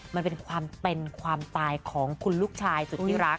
มันเป็นความเป็นความตายของคุณลูกชายสุดที่รัก